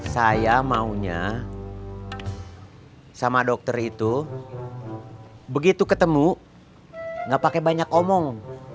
saya maunya sama dokter itu begitu ketemu gak pakai banyak omong